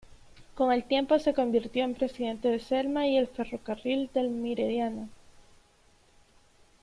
Con el tiempo se convirtió en presidente de Selma y el ferrocarril del Meridiano.